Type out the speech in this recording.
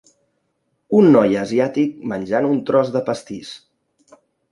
Un noi asiàtic menjant un tros de pastís.